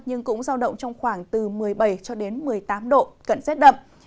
nhưng cũng giao động trong khoảng từ một mươi bảy cho đến một mươi tám độ cận rét đậm